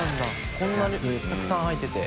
こんなにたくさん入ってて。